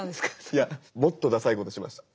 いやもっとださいことしました。